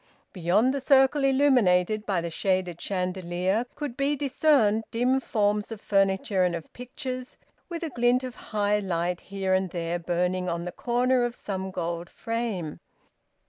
Beyond the circle illuminated by the shaded chandelier could be discerned dim forms of furniture and of pictures, with a glint of high light here and there burning on the corner of some gold frame.